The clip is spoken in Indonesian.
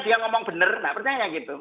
dia ngomong benar nggak percaya gitu